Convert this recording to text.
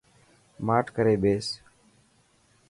ماٺ ڪري ٻيس.